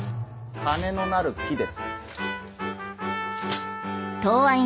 金のなる木です。